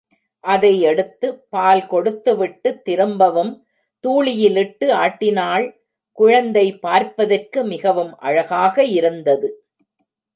அதை எடுத்து பால் கொடுத்து விட்டு திரும்பவும் தூளியிலிட்டு ஆட்டினாள் குழந்தை பார்ப்பதற்கு மிகவும் அழகாக இருந்தது.